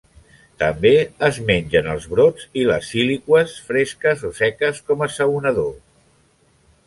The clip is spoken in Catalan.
També es mengen els brots i les síliqües fresques o seques com a assaonador.